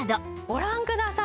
ご覧ください